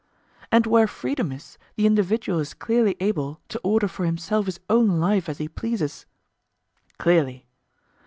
And where freedom is, the individual is clearly able to order for himself his own life as he pleases? Clearly.